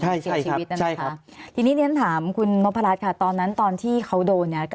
ใช่ครับใช่ครับทีนี้เนี้ยถามคุณมพราชค่ะตอนนั้นตอนที่เขาโดนเนี้ย